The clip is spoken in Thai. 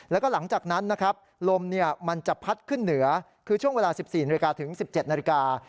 แล้วก็หลังจากนั้นนะครับลมมันจะพัดขึ้นเหนือคือช่วงเวลา๑๔นาฬิกาถึง๑๗นาฬิกา